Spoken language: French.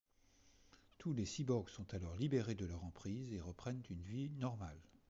Tous les cyborgs sont alors libérés de leur emprises et reprennent une vie normale.